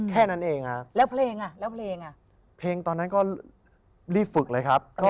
แค่นั้นเองครับ